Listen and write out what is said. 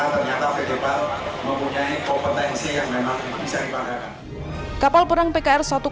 karena ternyata pt pal mempunyai kompetensi yang memang bisa dibangun